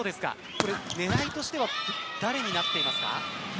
狙いとしては誰になっていますか？